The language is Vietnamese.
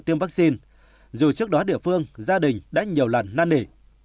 tiêm vaccine dù trước đó địa phương gia đình đã nhiều lần năn nỉ